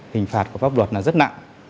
hình phạt của pháp luật là rất nặng